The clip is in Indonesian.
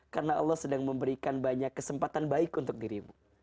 karena allah sedang memberikan banyak kesempatan baik untuk dirimu